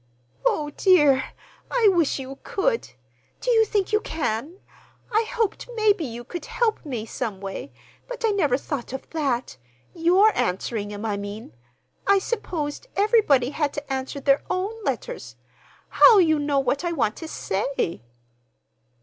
"Oh, dear! I wish you could. Do you think you can? I hoped maybe you could help me some way, but I never thought of that—your answering 'em, I mean. I supposed everybody had to answer their own letters. How'll you know what I want to say?"